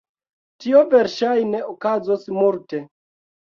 Tio verŝajne okazos multe.